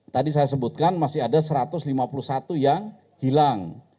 tadi saya sebutkan masih ada satu ratus lima puluh satu yang hilang